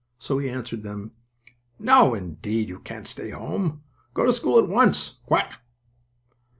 So he answered them: "No, indeed, you can't stay home. Go to school at once! Quack!"